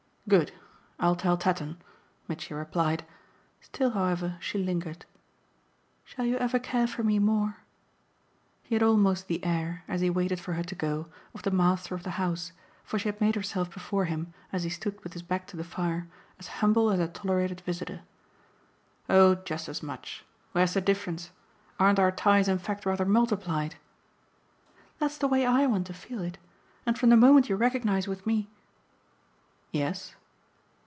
"Good. I'll tell Tatton," Mitchy replied. Still, however, she lingered. "Shall you ever care for me more?" He had almost the air, as he waited for her to go, of the master of the house, for she had made herself before him, as he stood with his back to the fire, as humble as a tolerated visitor. "Oh just as much. Where's the difference? Aren't our ties in fact rather multiplied?" "That's the way I want to feel it. And from the moment you recognise with me " "Yes?"